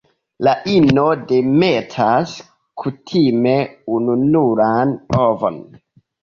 La ino demetas kutime ununuran ovon.